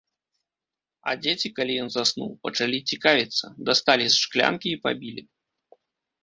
А дзеці, калі ён заснуў, пачалі цікавіцца, дасталі з шклянкі і пабілі.